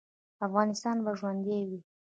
افغانستان به ژوندی وي